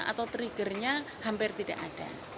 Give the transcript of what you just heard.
atau triggernya hampir tidak ada